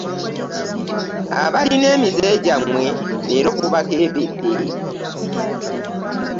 Abalina emize gyammwe leero bubakeeredde.